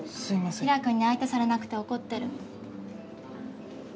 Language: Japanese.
平良君に相手されなくて怒ってる。